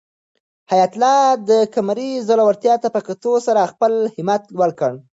حیات الله د قمرۍ زړورتیا ته په کتو سره خپل همت لوړ کړ.